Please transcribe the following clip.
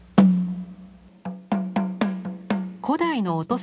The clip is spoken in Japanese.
古代の音